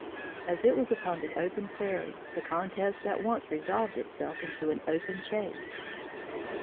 As it was upon the open prairie the contest at once resolved itself into an open chase.